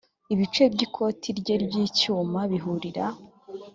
ibice by ikoti rye ry icyuma bihurira